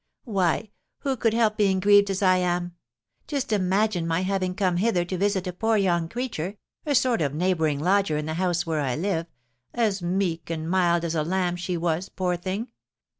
"Why, who could help being grieved as I am? Just imagine my having come hither to visit a poor young creature, a sort of neighbouring lodger in the house where I live, as meek and mild as a lamb she was, poor thing!